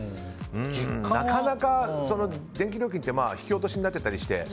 なかなか電気料金って引き落としになってたりして。